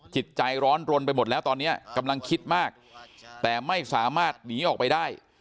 จิตใจร้อนรนไปหมดแล้วตอนนี้กำลังคิดมากแต่ไม่สามารถหนีออกไปได้